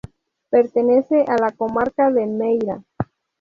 Pertenece a la Comarca de Meira.